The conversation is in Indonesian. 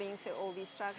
untuk memulai semua truk ini